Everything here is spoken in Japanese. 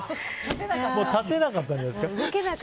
立てなかったんじゃないですか。